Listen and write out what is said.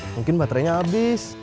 mungkin baterainya abis